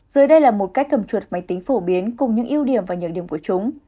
dưới đây là một cách cầm chuột máy tính phổ biến cùng những ưu điểm và nhược điểm của chúng